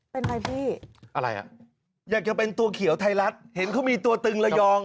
เป็นอะไรพี่อะไรอ่ะอยากจะเป็นตัวเขียวไทยรัฐเห็นเขามีตัวตึงระยอง